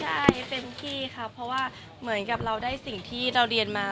ใช่เต็มที่ครับเพราะว่าเหมือนกับเราได้สิ่งที่เราเรียนมา